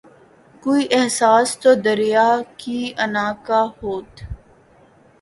کوئی احساس تو دریا کی انا کا ہوت